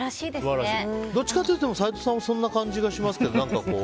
どっちかというと斉藤さんもそんな感じしますけど。